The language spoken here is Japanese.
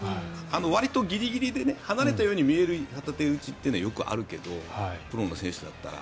わりとギリギリで離れているように見える片手打ちってよくあるけどプロの選手だったら。